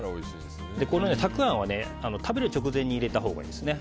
たくあんは食べる直前に入れたほうがいいですね。